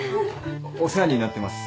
お世話になってます。